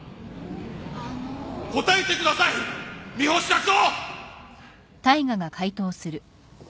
答えてください三星社長！